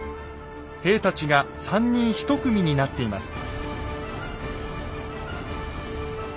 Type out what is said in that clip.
兵たちが３人１組になっています。